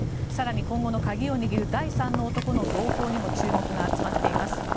更に今後の鍵を握る第３の男の動向にも注目が集まっています。